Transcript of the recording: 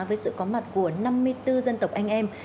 với sự có mặt của năm mươi bốn dân tộc anh em